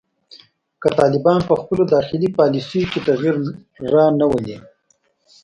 که طالبان په خپلو داخلي پالیسیو کې تغیر رانه ولي